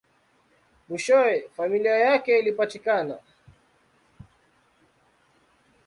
Mwishowe, familia yake ilipatikana.